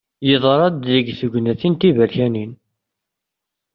Yeḍra-d deg tegnatin d tiberkanin.